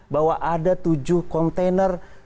bahwa ada tujuh konten